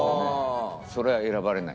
それは選ばれない。